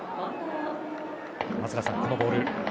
松坂さん、このボール。